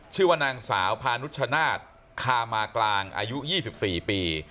ชื่อว่านางสาวพานุชนาฏคามากลางอายุยี่สิบสี่ปี